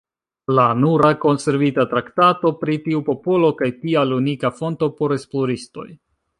La nura konservita traktato pri tiu popolo kaj tial unika fonto por esploristoj.